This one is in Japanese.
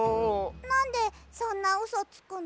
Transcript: なんでそんなうそつくの？